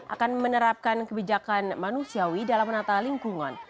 akan menerapkan kebijakan manusiawi dalam menata lingkungan